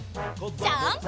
ジャンプ！